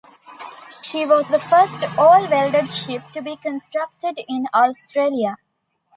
She was the first all-welded ship to be constructed in Australia.